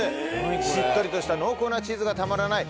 しっとりとした濃厚なチーズがたまらない